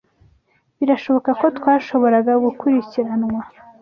Birashoboka ko twashoboraga gukurikiranwa?